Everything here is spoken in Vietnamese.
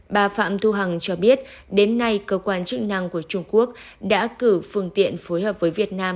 bà phạm thu hằng cho biết đến nay cơ quan chức năng của trung quốc đã cử phương tiện phối hợp với việt nam